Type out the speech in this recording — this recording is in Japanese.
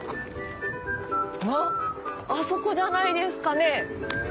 あっあそこじゃないですかね？